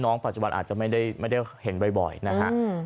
น้องปัจจุบันอาจจะไม่ได้เห็นบ่อยนะครับ